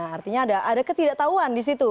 artinya ada ketidaktahuan di situ